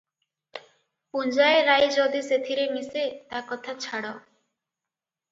ପୁଞ୍ଜାଏ ରାଇ ଯଦି ସେଥିରେ ମିଶେ, ତା କଥା ଛାଡ଼ ।